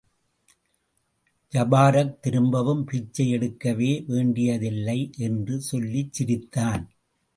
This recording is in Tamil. ஜபராக், திரும்பவும் பிச்சை யெடுக்கவே வேண்டியதில்லை என்று சொல்லி சிரித்தான்.